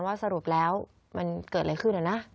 สรุปแล้วมันเกิดอะไรขึ้นนะ